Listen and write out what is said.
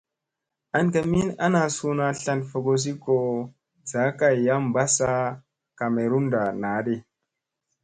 An ka min ana suuna tlan fogosi ko saa kay yam ɓassa kamerunda naɗi.